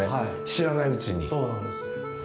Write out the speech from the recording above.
知らないうちに。